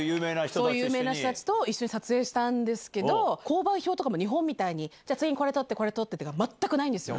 そういう有名な人たちと一緒に撮影したんですけど、香盤表とかも日本みたいにじゃあ、次にこれ撮って、これ撮ってとか全くないんですよ。